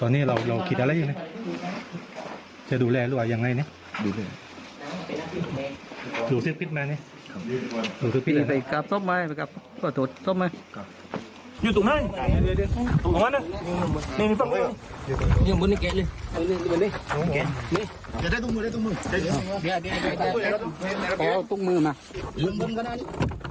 นี่นี่นี่